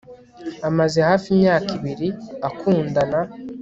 amaze hafi imyaka ibiri akundana